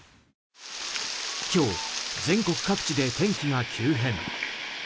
今日、全国各地で天気が急変。